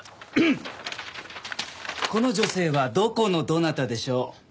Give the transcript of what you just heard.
この女性はどこのどなたでしょう？